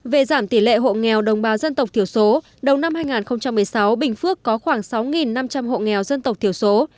về giảm tỷ lệ hộ nghèo đồng bào dân tộc thiểu số đầu năm hai nghìn một mươi sáu bình phước có khoảng sáu năm trăm linh hộ nghèo dân tộc thiểu số